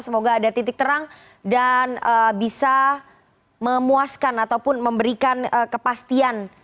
semoga ada titik terang dan bisa memuaskan ataupun memberikan kepastian